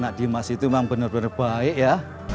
anak dimas itu memang benar benar baik ya